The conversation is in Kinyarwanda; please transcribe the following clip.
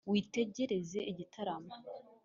Witegereze igitaramo.